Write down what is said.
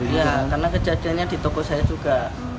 iya karena kejadiannya di toko saya juga